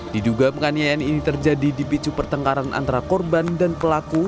diduga penganiayaan ini terjadi di picu pertengkaran antara korban dan pelaku